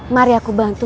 mari aku bantu